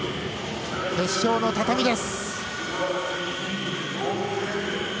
決勝の畳です。